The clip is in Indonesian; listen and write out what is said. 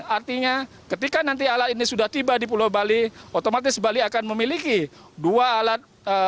artinya ketika nanti alat ini sudah tiba di pulau bali otomatis bali akan memiliki dua alat